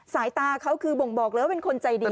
สายตาเขาคือบ่งบอกเลยว่าเป็นคนใจดี